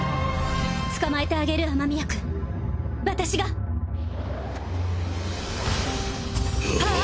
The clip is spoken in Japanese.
捕まえてあげる雨宮君私が！はあ！